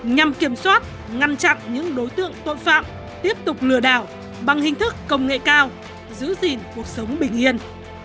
nhằm kiểm soát ngăn chặn những đối tượng tội phạm tiếp tục lừa đảo bằng hình thức công nghệ cao giữ gìn cuộc sống bình yên